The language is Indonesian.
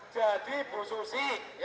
jadi ibu susi